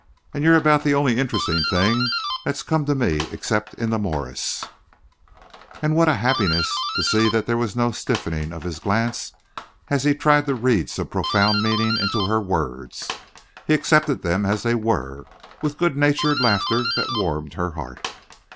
And you're about the only interesting thing that's come to me except in the Morse." And what a happiness to see that there was no stiffening of his glance as he tried to read some profound meaning into her words! He accepted them as they were, with a good natured laughter that warmed her heart.